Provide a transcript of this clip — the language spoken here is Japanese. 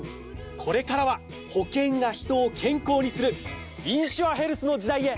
これからは保険が人を健康にするインシュアヘルスの時代へ！